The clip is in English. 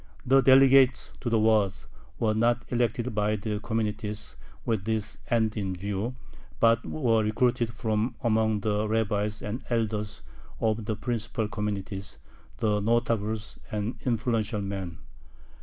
The delegates to the Waads were not elected by the communities with this end in view, but were recruited from among the rabbis and elders of the principal communities, the notables and "influential men."